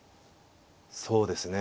そうですね。